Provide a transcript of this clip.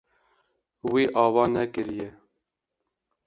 Wî ava nekiriye.